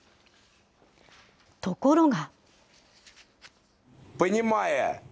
ところが。